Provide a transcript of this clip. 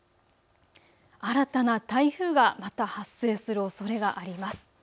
新たな台風がまた発生するおそれがあります。